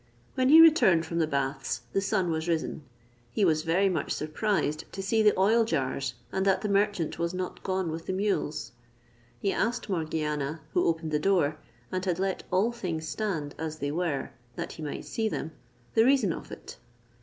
When he returned from the baths, the sun was risen; he was very much surprised to see the oil jars, and that the merchant was not gone with the mules. He asked Morgiana, who opened the door, and had let all things stand as they were, that he might see them, the reason of it?